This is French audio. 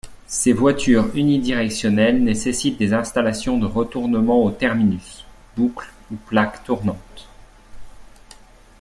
Ces voitures unidirectionnelles nécessitent des installations de retournement aux terminus, boucles ou plaques tournantes.